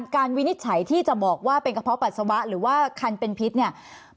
วินิจฉัยที่จะบอกว่าเป็นกระเพาะปัสสาวะหรือว่าคันเป็นพิษเนี่ย